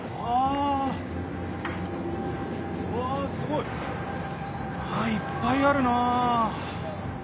いっぱいあるな！